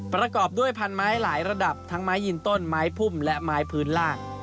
ประกอบด้วยพันไม้หลายระดับทั้งไม้ยืนต้นไม้พุ่มและไม้พื้นล่าง